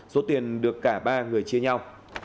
số tiền được cả ba người chia nhau